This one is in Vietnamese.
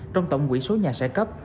trong tổng quỹ số nhà sẽ cấp